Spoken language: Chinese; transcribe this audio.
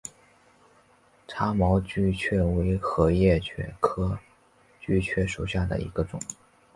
叉毛锯蕨为禾叶蕨科锯蕨属下的一个种。